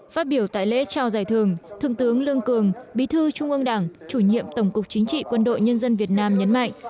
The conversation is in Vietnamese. phát biểu tại lễ trao giải thưởng thượng tướng lương cường bí thư trung ương đảng chủ nhiệm tổng cục chính trị quân đội nhân dân việt nam nhấn mạnh